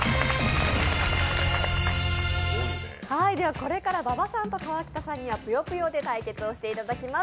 これから馬場さんと川北さんには、ぷよぷよで対決していたきます。